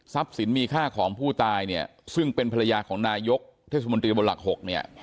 สินมีค่าของผู้ตายเนี่ยซึ่งเป็นภรรยาของนายกเทศมนตรีบนหลัก๖เนี่ย